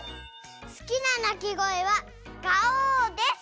すきななきごえは「ガオー」です